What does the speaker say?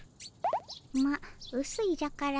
まっうすいじゃからの。